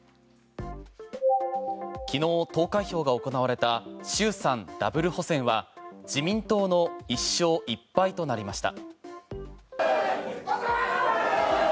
昨日、投開票が行われた衆参ダブル補選は自民党の１勝１敗となりました。